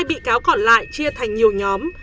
bảy mươi hai bị cáo còn lại chia thành nhiều nhóm